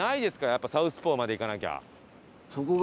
やっぱサウスポーまで行かなきゃ。